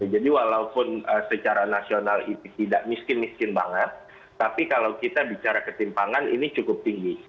jadi walaupun secara nasional itu tidak miskin miskin banget tapi kalau kita bicara ketimpangan ini cukup tinggi